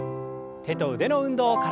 手と腕の運動から。